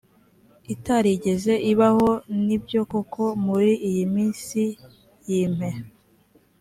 itarigeze ibaho ni byo koko muri iyi minsi y impe